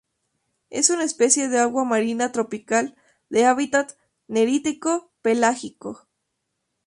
Es una especie de agua marina tropical, de hábitat nerítico-pelágico.